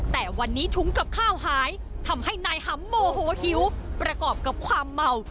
แต่วันนี้ถุงกับข้าวหายทำให้นายหำโมโหหิวประกอบกับความเมา